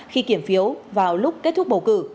khi kiểm phiếu vào lúc kết thúc bầu cử